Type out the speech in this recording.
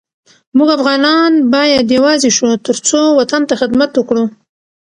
مونږ افغانان باید یوزاي شو ترڅو وطن ته خدمت وکړو